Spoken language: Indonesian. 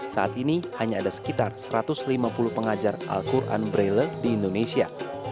saat ini hanya ada sekitar satu ratus lima puluh pengajar al quran braille di indonesia